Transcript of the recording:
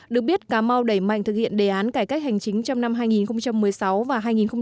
được biết cà mau đẩy mạnh thực hiện đề án cải cách hành chính trong năm hai nghìn một mươi sáu và hai nghìn một mươi chín